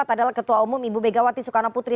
adalah ketua umum ibu megawati soekarno putri